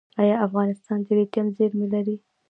آیا افغانستان د لیتیم زیرمې لري؟